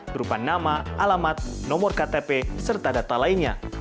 berupa nama alamat nomor ktp serta data lainnya